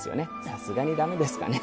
さすがに駄目ですかね。